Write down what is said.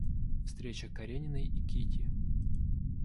Встреча Карениной и Кити.